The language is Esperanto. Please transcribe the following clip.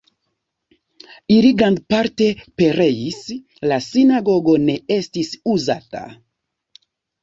Ili grandparte pereis, la sinagogo ne estis uzata.